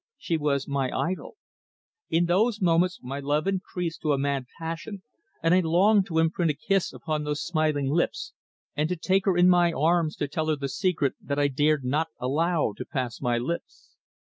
She was my idol. In those moments my love increased to a mad passion, and I longed to imprint a kiss upon those smiling lips, and to take her in my arms to tell her the secret that I dared not allow to pass my lips.